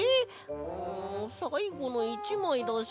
んさいごの１まいだし。